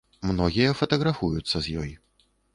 Многія фатаграфуюцца з ёй.